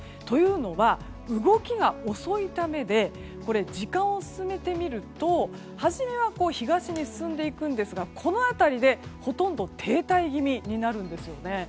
というのは、動きが遅いためで時間を進めてみるとはじめは東に進んでいくんですがこの辺りでほとんど停滞気味になるんですよね。